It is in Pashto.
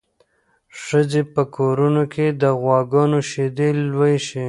ښځې په کورونو کې د غواګانو شیدې لوشي.